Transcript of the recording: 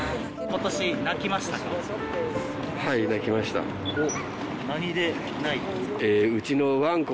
ことし泣きましたか？